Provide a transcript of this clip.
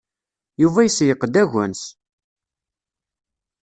Yuba iseyyeq-d agens.